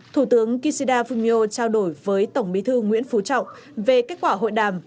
thủ tướng kishida fumio trao đổi với tổng bí thư nguyễn phú trọng về kết quả hội đàm